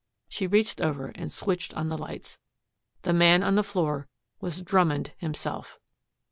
She reached over and switched on the lights. The man on the floor was Drummond himself.